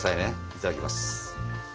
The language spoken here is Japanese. いただきます。